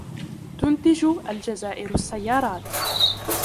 تنتج الجزائر السيارات.